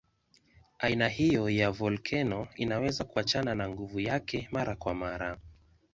Aina hiyo ya volkeno inaweza kuachana na nguvu yake mara kwa mara.